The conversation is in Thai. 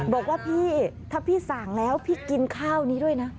บอกว่าพี่ถ้าพี่สั่งแล้วพี่กินข้าวนี้ด้วยนะ